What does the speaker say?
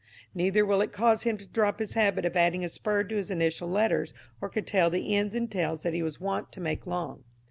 Neither will it cause him to drop his habit of adding a spur to his initial letters or curtail the ends and tails that he was wont to make long.